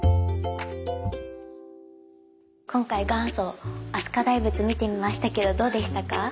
今回元祖飛鳥大仏見てみましたけどどうでしたか？